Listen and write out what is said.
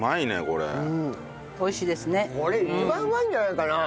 これ一番うまいんじゃないかな？